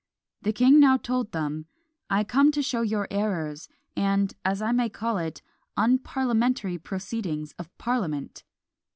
The king now told them "I come to show your errors, and, as I may call it, unparliamentary proceedings of parliament."